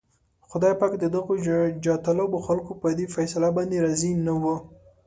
خدای پاک د دغو جاهطلبو خلکو په دې فيصله باندې راضي نه و.